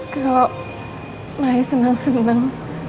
kalau maik seneng seneng